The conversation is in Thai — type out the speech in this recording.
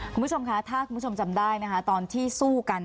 คุณผู้ชมคะถ้าคุณผู้ชมจำได้นะคะตอนที่สู้กัน